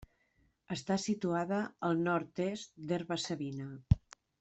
Està situada al nord-est d'Herba-savina.